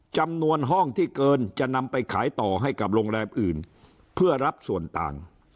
จำนวนห้องที่เกินจะนำไปขายต่อให้กับโรงแรมอื่นเพื่อรับส่วนต่าง